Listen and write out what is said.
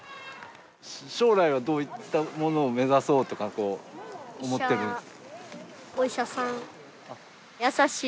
将来はどういったものを目指そうとか思ってる？